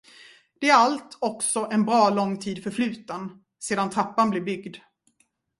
Det är allt också en bra lång tid förfluten, sedan trappan blev byggd.